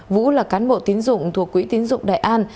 vũ là cán bộ tín dụng thuộc quỹ tín dụng đại an